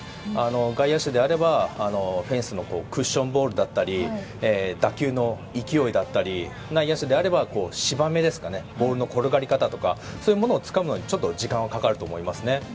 外野手であれば、フェンスのクッションボールだったり打球の勢いだったり内野手であれば、芝目ですかねボールの転がり方とかをつかむのに時間はかかると思いますね。